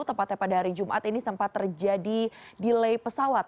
tepat tepat dari jumat ini sempat terjadi delay pesawat